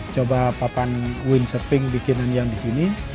coba papan windsurfing bikin yang di sini